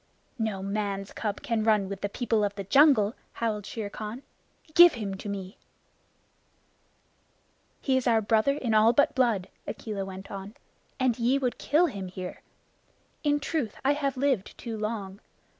"No man's cub can run with the people of the jungle," howled Shere Khan. "Give him to me!" "He is our brother in all but blood," Akela went on, "and ye would kill him here! In truth, I have lived too long.